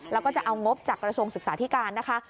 แล้วก็จะเอางบจากกระทรวงศึกษาธิการนะคะ